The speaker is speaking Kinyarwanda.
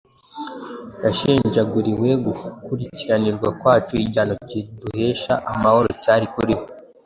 yashenjaguriwe gukiranirwa kwacu, igihano kiduhesha amahoro cyari kuri we,